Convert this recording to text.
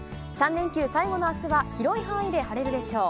３連休最後のあすは、広い範囲で晴れるでしょう。